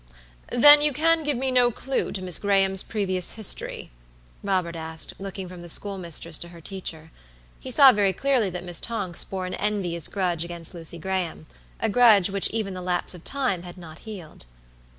"Then you can give me no clew to Miss Graham's previous history?" Robert asked, looking from the schoolmistress to her teacher. He saw very clearly that Miss Tonks bore an envious grudge against Lucy Grahama grudge which even the lapse of time had not healed.